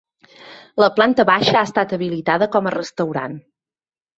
La planta baixa ha estat habilitada com a restaurant.